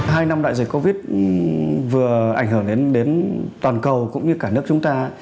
hai năm đại dịch covid vừa ảnh hưởng đến toàn cầu cũng như cả nước chúng ta